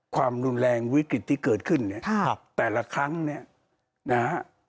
ความรุนแรงวิกฤตที่เกิดขึ้นเนี่ยแต่ละครั้งเนี่ยนะฮะ